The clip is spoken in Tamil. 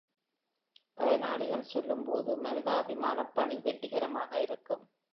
பயனாளிகள் சொல்லும்போது மனிதாபிமானப் பணி வெற்றிகரமாக இருக்கும்.